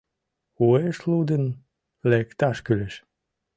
Уэш лудын лекташ кӱлеш.